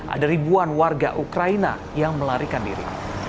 ada ribuan warga ukraina yang melarikan diri